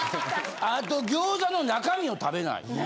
あと餃子の中身を食べない。